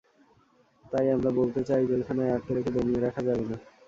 তাই আমরা বলতে চাই, জেলখানায় আটকে রেখে দমিয়ে রাখা যাবে না।